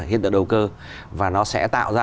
hiện tượng đầu cơ và nó sẽ tạo ra